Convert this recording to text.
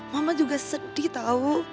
mama juga sedih tau